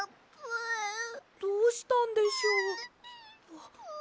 どうしたんでしょう。